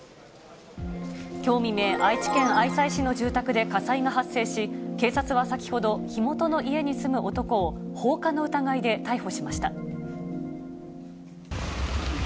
きょう未明、愛知県愛西市の住宅で火災が発生し、警察は先ほど、火元の家に住む男を、放火の疑いで逮捕しました。